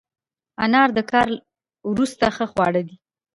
انار د کار وروسته ښه خواړه دي.